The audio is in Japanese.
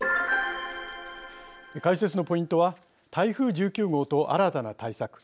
解説のポイントは台風１９号と新たな対策